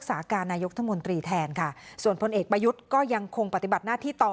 ส่วนผู้เป็นเอกปะยุทธก็ยังคงปฏิบัติหน้าที่ต่อ